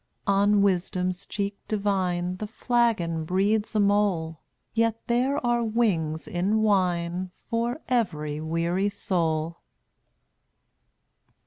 On Wisdom's cheek divine The flagon breeds a mole, Yet there are wings in wine For every weary soul.